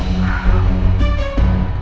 mas kapai anda